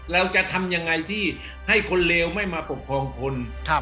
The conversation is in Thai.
เราจะทำยังไงที่ให้คนเลวไม่มาปกครองคน